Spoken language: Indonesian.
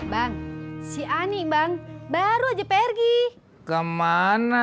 bang si ani bang baru aja pergi kemana